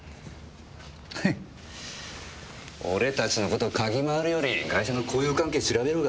ヘッ俺たちの事嗅ぎ回るよりガイシャの交友関係調べるほうが先だろ！